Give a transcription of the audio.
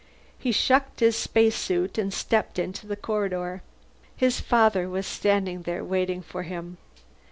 He shucked his spacesuit and stepped into the corridor. His father was standing there waiting for him.